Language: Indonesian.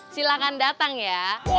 silahkan datang ya